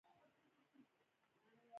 د زور او بډې ورکونې له لارې یې حکومت وکړ.